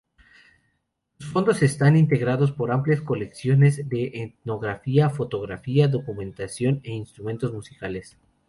Sus fondos están integrados por amplias colecciones de etnografía, fotografía, documentación e instrumentos musicales.